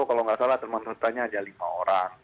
kalau tidak salah teman peserta nya ada lima orang